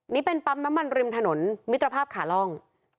นี่เป็นปั๊มน้ำมันริมถนนมิตรภาพขาล่อง